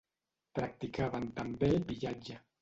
Practicaven també el pillatge.